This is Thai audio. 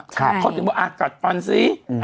เขาถึงว่าอ่ากอดฟันซิ